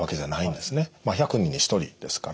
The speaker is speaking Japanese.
まあ１００人に１人ですから。